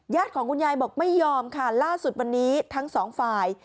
ของคุณยายบอกไม่ยอมค่ะล่าสุดวันนี้ทั้งสองฝ่าย